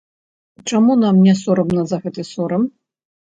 Чаму нам не сорамна за гэты сорам?